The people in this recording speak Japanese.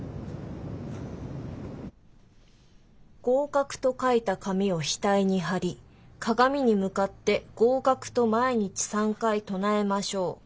「『合格』と書いた紙を額に貼り鏡に向かって『合格』と毎日３回唱えましょう」。